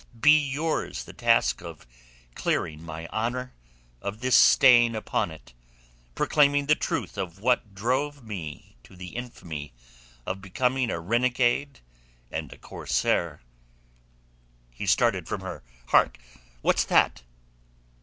Be yours the task of clearing my honour of this stain upon it, proclaiming the truth of what drove me to the infamy of becoming a renegade and a corsair." He started from her. "Hark! What's that?"